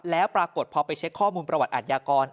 แล้วปรากฏพอไปเช็คข้อมูลประวัติอาทยากร